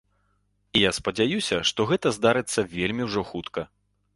І я спадзяюся, што гэта здарыцца вельмі ўжо хутка.